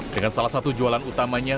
dengan salah satu jualan utamanya